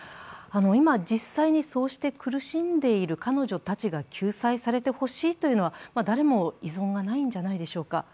今実際にそうして苦しんでいる彼女たちが救済されてほしいというのは誰も異存がないんじゃないでしょうか。